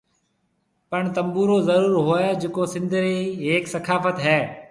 پڻ تنبورو ضرور ھوئي جڪو سنڌ ري ھيَََڪ ثقافت ھيَََ